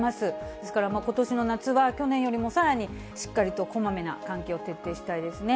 ですから、ことしの夏は去年よりもさらにしっかりとこまめな換気を徹底したいですね。